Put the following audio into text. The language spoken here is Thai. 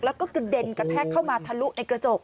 แล้วก็กระเด็นกระแทกเข้ามาทะลุในกระจก